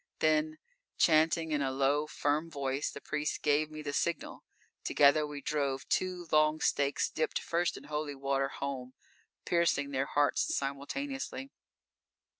Then, chanting in a low, firm voice, the priest gave me the signal. Together we drove two long stakes, dipped first in Holy Water, home, piercing their hearts simultaneously.